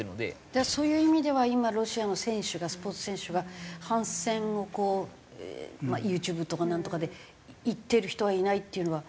じゃあそういう意味では今ロシアの選手がスポーツ選手が反戦をこうＹｏｕＴｕｂｅとかなんとかで言ってる人はいないっていうのは？